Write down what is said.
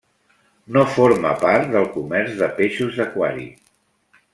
No forma part del comerç de peixos d'aquari.